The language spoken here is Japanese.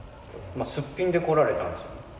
すっぴんで来られたんですよね。